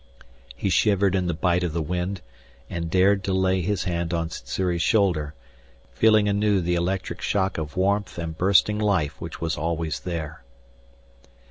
He shivered in the bite of the wind and dared to lay his hand on Sssuri's shoulder, feeling anew the electric shock of warmth and bursting life which was always there.